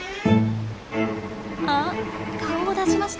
あっ顔を出しました。